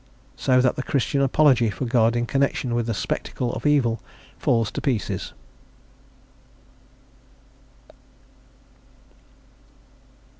So that the Christian apology for God in connection with the spectacle of evil falls to pieces."